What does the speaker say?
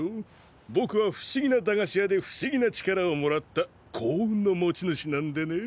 ぼくはふしぎな駄菓子屋でふしぎな力をもらった幸運の持ち主なんでね。